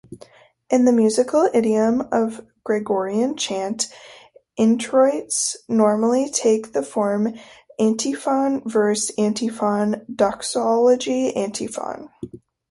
In the musical idiom of Gregorian chant, Introits normally take the form antiphon-verse-antiphon-doxology-antiphon.